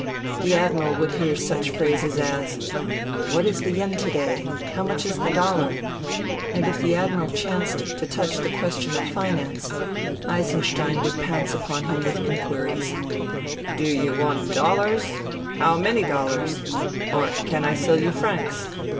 The Admiral would hear such phrases as " What is the yen to day ? How much is the dollar ?" And if the Admiral chanced to touch the question of finance, Eisenstein would pounce upon him with inquiries :" Do you want dollars ? How many dollars ? Or can I sell you francs